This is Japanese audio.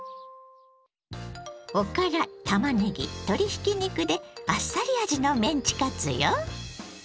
おからたまねぎ鶏ひき肉であっさり味のメンチカツよ。